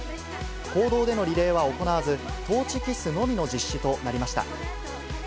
公道でのリレーは行わず、トーチキスのみの実施となりました。